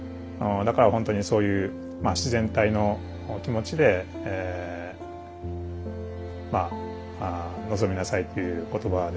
だから本当にそういう自然体の気持ちで臨みなさいという言葉はですね